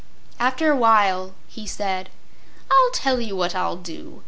After a while he said: "I'll tell you what I'll do.